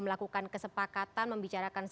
melakukan kesepakatan membicarakan